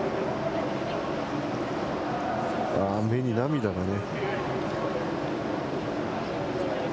目に涙がね。